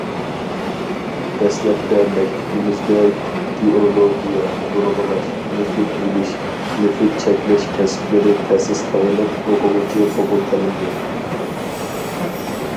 دەسلەپتە مەكتىپىمىزدە گېئولوگىيە، بۇرغىلاش، نېفىت ئېلىش، نېفىت چەككىلەش كەسىپلىرى تەسىس قىلىنىپ ئوقۇغۇچى قوبۇل قىلىندى.